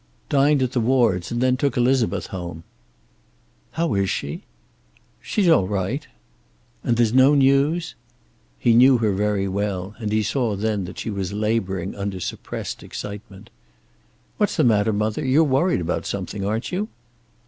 "Dined at the Wards', and then took Elizabeth home." "How is she?" "She's all right." "And there's no news?" He knew her very well, and he saw then that she was laboring under suppressed excitement. "What's the matter, mother? You're worried about something, aren't you?"